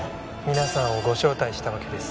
皆さんをご招待したわけです。